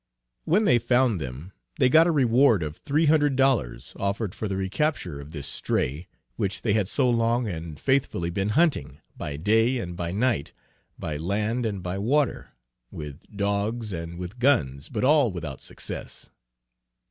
When they found them, they got a reward of three hundred dollars offered for the re capture of this "stray" which they had so long and faithfully been hunting, by day and by night, by land and by water, with dogs and with guns, but all without success.